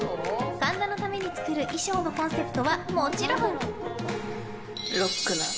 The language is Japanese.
神田のために作る衣装のコンセプトはもちろん。